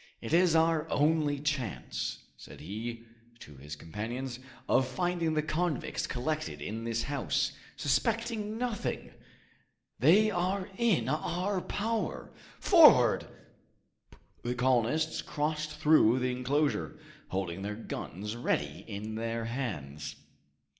"It is our only chance," said he to his companions, "of finding the convicts collected in this house, suspecting nothing! They are in our power! Forward!" The colonists crossed through the enclosure, holding their guns ready in their hands.